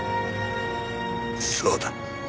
そうだ。